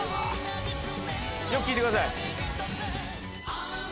よく聴いてください。